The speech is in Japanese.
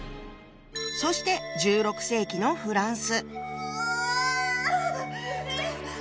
そして１６世紀のフランス。